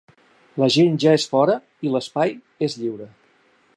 La gent ja és fora i l’espai és lliure.